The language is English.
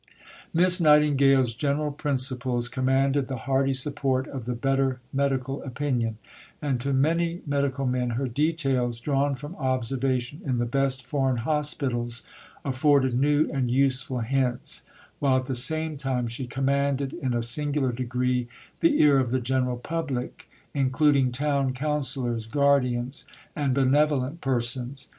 '" Miss Nightingale's general principles commanded the hearty support of the better medical opinion, and to many medical men her details, drawn from observation in the best foreign hospitals, afforded new and useful hints; while at the same time she commanded in a singular degree the ear of the general public, including town councillors, guardians, and benevolent persons.